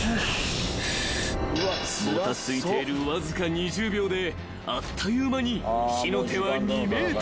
［もたついているわずか２０秒であっという間に火の手は２ｍに］